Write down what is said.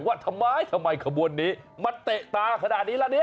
ว่าทำไมทำไมขบวนนี้มาเตะตาขนาดนี้ละเนี่ย